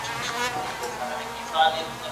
یولسمه ماده د غنیمت د ویش په اړه وه.